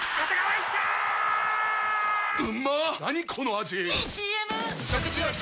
⁉いいＣＭ！！